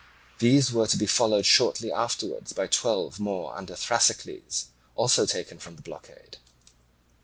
These were to be followed shortly afterwards by twelve more under Thrasycles, also taken from the blockade.